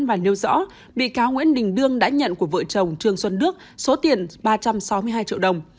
và nêu rõ bị cáo nguyễn đình đương đã nhận của vợ chồng trương xuân đức số tiền ba trăm sáu mươi hai triệu đồng